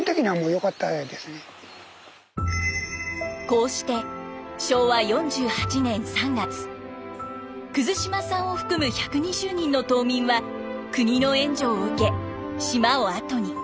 こうして昭和４８年３月島さんを含む１２０人の島民は国の援助を受け島を後に。